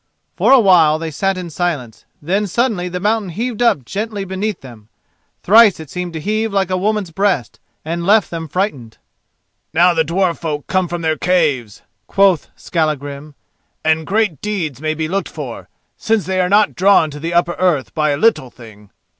For a while they sat in silence, then suddenly the mountain heaved up gently beneath them. Thrice it seemed to heave like a woman's breast, and left them frightened. "Now the dwarf folk come from their caves," quoth Skallagrim, "and great deeds may be looked for, since they are not drawn to the upper earth by a little thing."